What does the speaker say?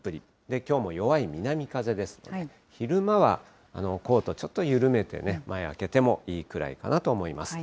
きょうも弱い南風ですので、昼間はコートちょっと緩めて、前開けてもいいくらいかなと思います。